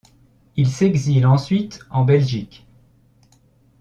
Il s'exile ensuite en Belgique.